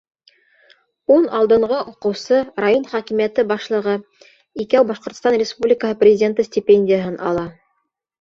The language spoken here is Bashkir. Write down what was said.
Ун алдынғы уҡыусы — район хакимиәте башлығы, икәү Башҡортостан Республикаһы Президенты стипендияһын ала.